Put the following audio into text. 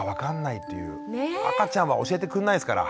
赤ちゃんは教えてくんないですから。